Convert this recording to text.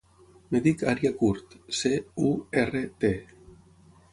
Em dic Arya Curt: ce, u, erra, te.